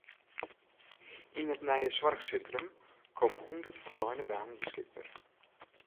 Yn it nije soarchsintrum komme hûndert folsleine banen beskikber.